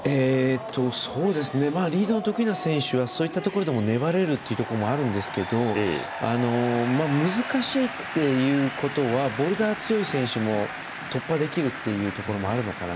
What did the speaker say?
リードの得意な選手はそういったところでも粘れるっていうところもあるんですけど難しいっていうことはボルダー強い選手も突破できるっていうところもあるのかな